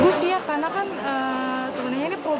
bagus ya karena kan sebenarnya ini penumpang yang berpengalaman